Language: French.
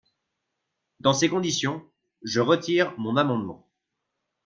Dans ces conditions, je retire mon amendement.